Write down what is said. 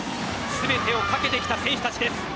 全てを懸けてきた選手たちです